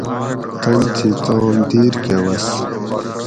تن تھی تام دِیر کہ وس